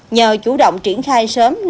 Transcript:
nhờ chủ động triển khai sớm